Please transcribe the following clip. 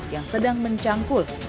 yang sedang mencangkul